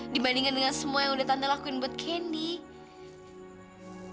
dibandingkan dengan semua yang udah tante lakuin buat candy